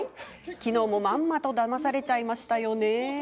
きのうも、まんまとだまされちゃいましたね。